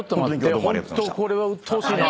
ホントこれはうっとうしいなぁ。